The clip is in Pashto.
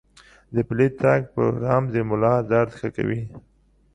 د پلي تګ پروګرام د ملا درد ښه کوي.